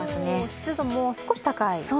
湿度も少し高い？